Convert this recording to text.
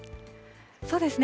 そうですね。